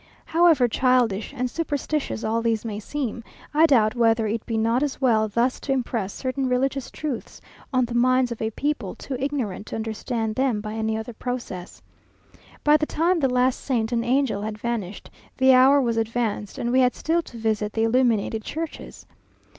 However childish and superstitious all this may seem, I doubt whether it be not as well thus to impress certain religious truths on the minds of a people too ignorant to understand them by any other process. By the time the last saint and angel had vanished, the hour was advanced, and we had still to visit the illuminated churches.